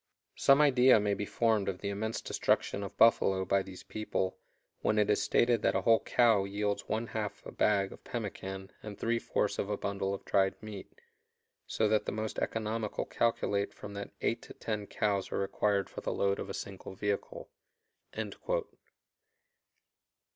Some idea may be formed of the immense destruction of buffalo by these people when it is stated that a whole cow yields one half a bag of pemmican and three fourths of a bundle of dried meat; so that the most economical calculate that from eight to ten cows are required for the load of a single vehicle."